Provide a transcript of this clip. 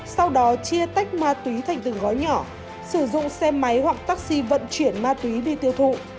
sau đó chia tách ma túy thành từng gói nhỏ sử dụng xe máy hoặc taxi vận chuyển ma túy đi tiêu thụ